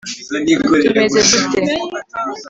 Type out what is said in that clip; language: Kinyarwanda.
tumeze dute